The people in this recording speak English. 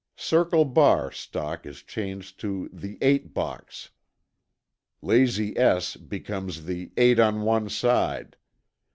'Circle Bar' stock is changed to the 'Eight Box.' 'Lazy S' becomes the 'Eight on One Side.'